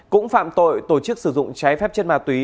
cũng phạm tội tổ chức sử dụng trái phép chất ma túy